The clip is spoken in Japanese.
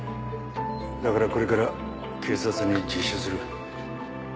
だからこれから警察に自首する。